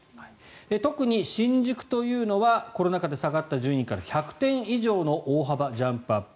特に新宿というのはコロナ禍で下がった順位から１００点以上の大幅ジャンプアップ。